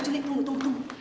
pak juli tunggu tunggu tunggu